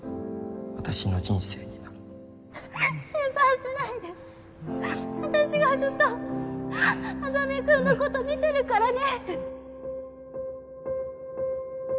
私の人生になる」心配しないで私がずっと莇君のこと見てるからね